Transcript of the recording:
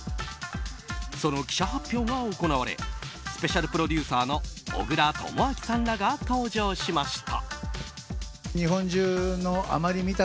その記者発表が行われスペシャルプロデューサーの小倉智昭さんらが登場しました。